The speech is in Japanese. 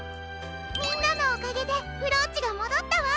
みんなのおかげでブローチがもどったわ！